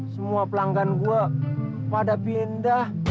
semua pelanggan gue pada pindah